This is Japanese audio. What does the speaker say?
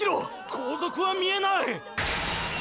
後続は見えない！！